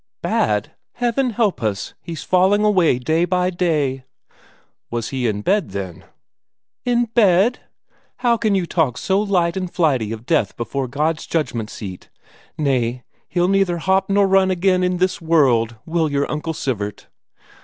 "Bad? Heaven bless us, he's falling away day by day." "Was he in bed, then?" "In bed? How can you talk so light and flighty of death before God's Judgment seat? Nay, he'll neither hop nor run again in this world, will your Uncle Sivert."